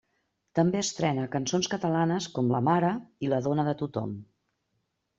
També estrena cançons catalanes com La Mare i La dona de tothom.